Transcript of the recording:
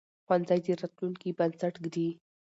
ښوونځی د راتلونکي بنسټ ږدي